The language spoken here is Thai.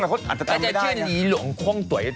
อาจจะจำไม่ได้เนี่ย